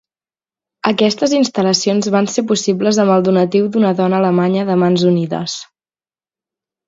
Aquestes instal·lacions van ser possibles amb el donatiu d'una dona alemanya de Mans Unides.